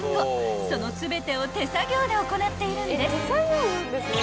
その全てを手作業で行っているんです］